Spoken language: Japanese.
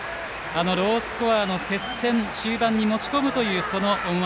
ロースコアの接戦で中盤に持ち込むという思惑。